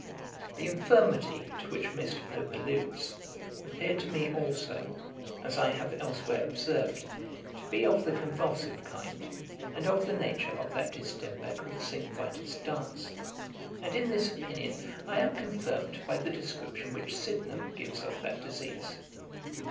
[Page 144: Johnson's tricks of body. A.D. 1739.] The infirmity to which Mr. Pope alludes, appeared to me also, as I have elsewhere observed, to be of the convulsive kind, and of the nature of that distemper called St. Vitus's dance; and in this opinion I am confirmed by the description which Sydenham gives of that disease.